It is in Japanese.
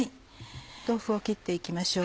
豆腐を切って行きましょう。